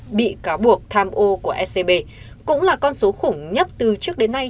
bà trương mỹ lan bị cáo buộc tham ô của scb cũng là con số khủng nhất từ trước đến nay